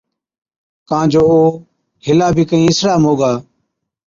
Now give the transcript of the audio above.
ڪان جو او هِلا بِي ڪهِين اِسڙا موڳا۔